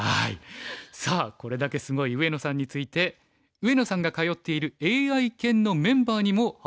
さあこれだけすごい上野さんについて上野さんが通っているＡＩ研のメンバーにも話を聞いてきました。